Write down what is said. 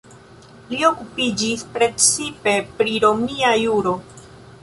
Li okupiĝis precipe pri romia juro.